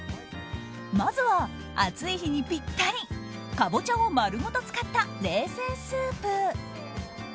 まずは、暑い日にぴったりカボチャを丸ごと使った冷製スープ。